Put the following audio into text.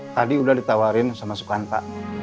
tadi udah ditawarin sama sukanta